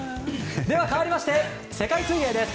かわりまして世界水泳です。